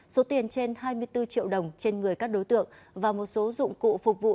số tiền trên hai mươi bốn triệu đồng trên người các đối tượng và một số dụng cụ phục vụ